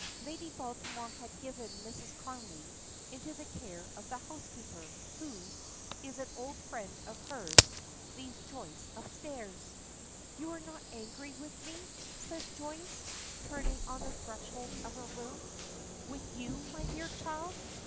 Lady Baltimore having given Mrs. Connolly into the care of the housekeeper, who is an old friend of hers, leads Joyce upstairs. "You are not angry with me?" says Joyce, turning on the threshold of her room. "With you, my dear child?